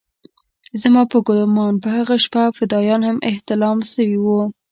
زما په ګومان په هغه شپه فدايان هم احتلام سوي وو.